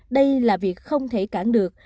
đây là việc không thể cản được